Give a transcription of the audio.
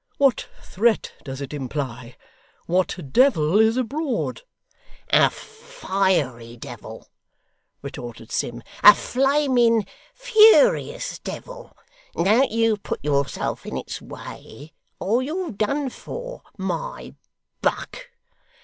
What threat does it imply? What devil is abroad?' 'A fiery devil,' retorted Sim; 'a flaming, furious devil. Don't you put yourself in its way, or you're done for, my buck.